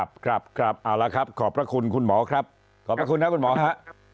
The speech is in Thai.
ครับครับเอาละครับขอบพระคุณคุณหมอครับขอบพระคุณนะคุณหมอฮะ